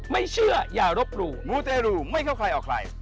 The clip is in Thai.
ไม่เชื่ออย่ารบหลู่มูเตรูไม่เข้าใครออกใคร